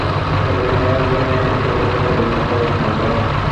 Por lo general, duerme en su propia casa de pájaros en el patio.